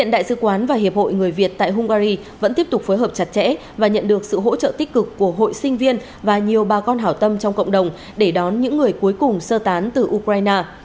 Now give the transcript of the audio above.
đại sứ quán và hiệp hội người việt tại hungary vẫn tiếp tục phối hợp chặt chẽ và nhận được sự hỗ trợ tích cực của hội sinh viên và nhiều bà con hảo tâm trong cộng đồng để đón những người cuối cùng sơ tán từ ukraine